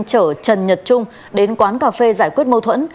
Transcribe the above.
chở trần nhật trung đến quán cà phê giải quyết mâu thuẫn